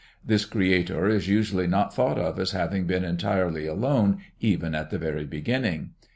This creator is usually not thought of as having been entirely alone even at the very beginning.